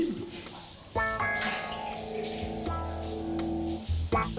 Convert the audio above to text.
โห